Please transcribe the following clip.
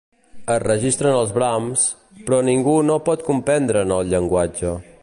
Es registren els brams, però ningú no pot comprendre'n el llenguatge.